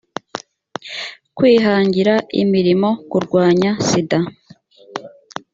kwihangira imirimo kurwanya sida